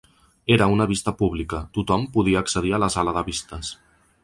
Era una vista pública, tothom podia accedir a la sala de vistes.